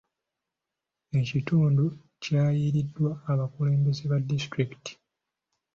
Ekitundu kyayiiriddwa abakulembeze ba disitulikiti.